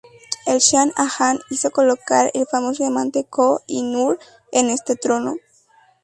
El Shah Jahan hizo colocar el famoso diamante Koh-i-Noor en este trono.